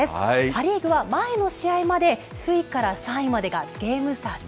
パ・リーグは前の試合まで、首位から３位までがゲーム差